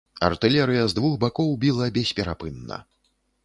Артылерыя з двух бакоў біла бесперапынна.